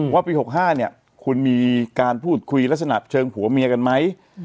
ว่าปี๖๕เนี่ยคุณมีการพูดคุยลักษณะเชิงผัวเมียกันไหม